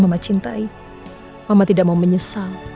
mama cintai mama tidak mau menyesal